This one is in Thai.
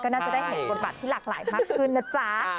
น่าจะได้เห็นบทบาทที่หลากหลายมากขึ้นนะจ๊ะ